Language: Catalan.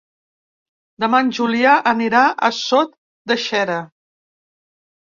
Demà en Julià anirà a Sot de Xera.